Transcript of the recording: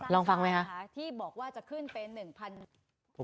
ลองฟังไหมครับ